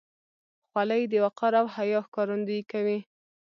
خولۍ د وقار او حیا ښکارندویي کوي.